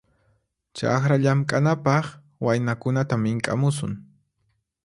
Chakra llamk'anapaq waynakunata mink'amusun.